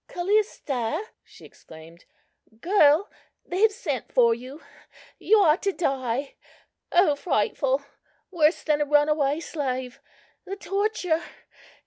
"Callista," she exclaimed; "girl, they have sent for you; you are to die. O frightful! worse than a runaway slave,—the torture!